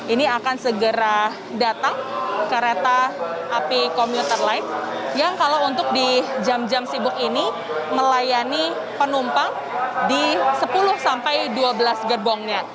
ini akan segera datang kereta api komuter life yang kalau untuk di jam jam sibuk ini melayani penumpang di sepuluh sampai dua belas gerbongnya